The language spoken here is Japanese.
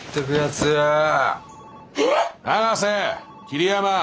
桐山！